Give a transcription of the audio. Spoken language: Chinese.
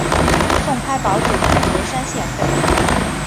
宋开宝九年罗山县废。